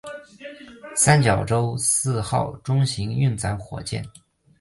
三角洲四号中型运载火箭。